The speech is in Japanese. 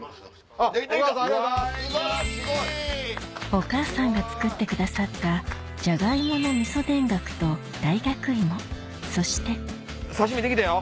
おかあさんが作ってくださったじゃがいもの味噌田楽と大学芋そして刺身できたよ！